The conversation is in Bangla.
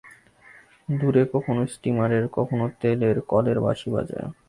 দূরে কখনো স্টীমারের, কখনো তেলের কলের বাঁশি বাজে।